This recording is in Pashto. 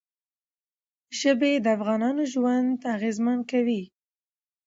ژبې د افغانانو ژوند اغېزمن کوي.